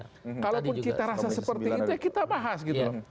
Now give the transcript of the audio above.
jadi kalau kita rasa seperti itu ya kita bahas gitu